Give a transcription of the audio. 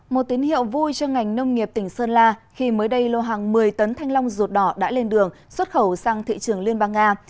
một tín hiệu vui cho ngành nông nghiệp tỉnh sơn la khi mới đây lô hàng một mươi tấn thanh long ruột đỏ đã lên đường xuất khẩu sang thị trường liên bang nga